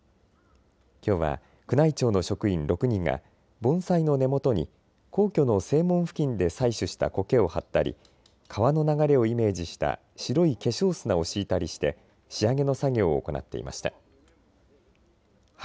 きょうは宮内庁の職員６人が盆栽の根元に皇居の正門付近で採取したこけを張ったり川の流れをイメージした白い化粧砂を敷いたりして仕上げの作業を行っていました。